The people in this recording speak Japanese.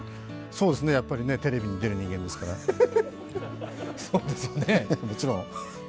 そうですね、やっぱりねテレビに出る人間ですから、もちろん。